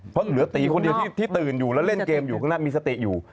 เพราะเหลือตีคนเดียวที่ตื่นอยู่แล้วเล่นเกมอยู่ข้างหน้ามีสติอยู่